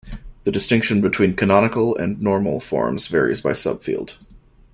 The distinction between "canonical" and "normal" forms varies by subfield.